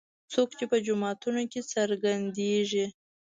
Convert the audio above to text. څوک چې په جوماتونو کې راڅرګندېږي.